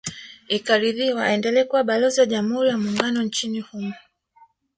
Ikaridhiwa aendelee kuwa Balozi wa Jamhuri ya Muungano nchini humo